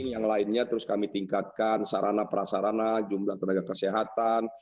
yang lainnya terus kami tingkatkan sarana prasarana jumlah tenaga kesehatan